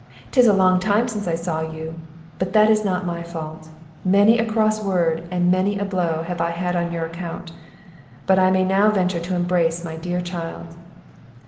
'Tis a long time since I saw you; but that is not my fault; many a cross word, and many a blow, have I had on your account; but I may now venture to embrace my dear child."